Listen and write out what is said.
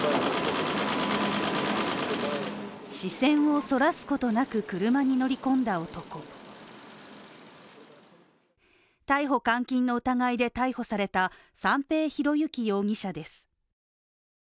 視線をそらすことなく車に乗り込んだ男逮捕・監禁の疑いで逮捕された三瓶博幸容疑者です。